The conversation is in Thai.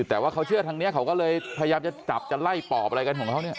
แต่ว่าเขาเชื่อทางนี้เขาก็เลยพยายามจะจับมันไล่ปฏญาณอะไรของเรา